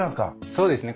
そうですね。